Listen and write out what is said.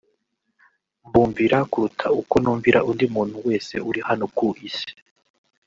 mbumvira kuruta uko numvira undi muntu wese uri hano ku isi